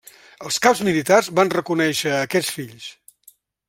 Els caps militars van reconèixer a aquests fills.